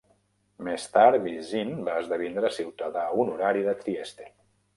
Més tard, Visin va esdevindre ciutadà honorari de Trieste.